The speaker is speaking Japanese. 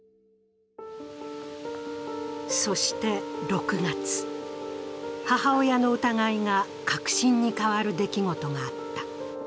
そして６月、母親の疑いが確信に変わる出来事があった。